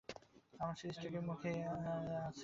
আমরা সিরিজটির জন্য মুখিয়ে আছি।